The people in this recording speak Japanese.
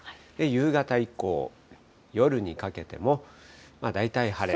夕方以降、夜にかけても大体晴れ。